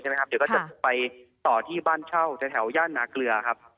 เดี๋ยวก็จะไปต่อที่บ้านเช่าแถวย่านนาเกลือครับ